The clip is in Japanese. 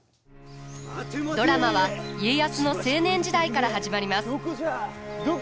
ドラマは家康の青年時代から始まります。